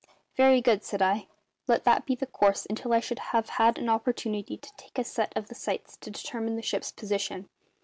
"Very good," said I. "Let that be the course until I shall have had an opportunity to take a set of sights to determine the ship's position.